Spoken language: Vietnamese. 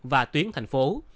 và tuyến thành phố